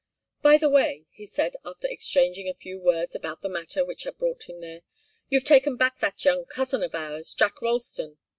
"By the way," he said, after exchanging a few words about the matter which had brought him there, "you've taken back that young cousin of ours, Jack Ralston.